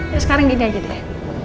yuk sekarang gini aja deh